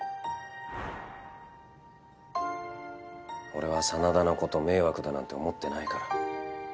俺は真田の事迷惑だなんて思ってないから。